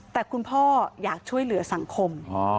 แต่คุณพ่ออยากช่วยเหลือสังคม